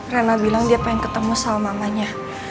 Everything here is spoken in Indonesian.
reina bilang dia pengen ketemu salmanganya